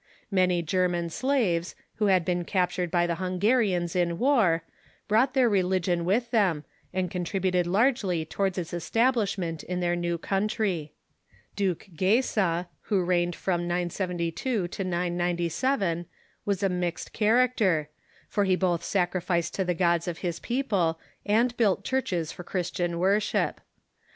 Many German slaves, who had been captured by the Hungarians in war, brought their religion with them, and contributed larsjely towards its establishment in Hungary ,. t^ i /^>i i • t r their new eountr3\ Duke (jeysa, Avho reigned irom 972 to 997, was a mixed character, for he both sacrificed to the gods of his people and built churches for Christian worship.